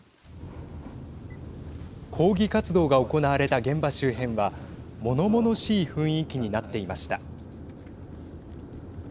抗議活動が行われた現場周辺はものものしい雰囲気になっていました。